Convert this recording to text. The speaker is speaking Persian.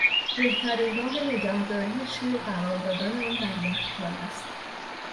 بهترین راه نگهداری شیر قرار دادن آن در یخچال است.